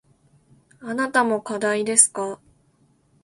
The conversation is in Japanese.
あなたも課題ですか。